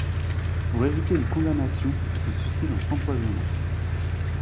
Pour éviter une condamnation, il se suicide en s'empoisonnant.